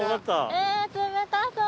ええ冷たそう！